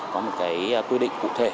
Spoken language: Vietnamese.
có một quy định cụ thể